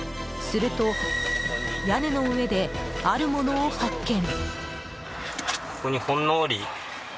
すると、屋根の上であるものを発見。